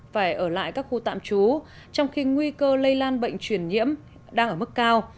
phải ở lại các khu tạm trú trong khi nguy cơ lây lan bệnh truyền nhiễm đang ở mức cao